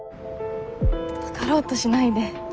分かろうとしないで。